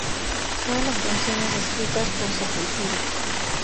Todas las canciones escritas por Sepultura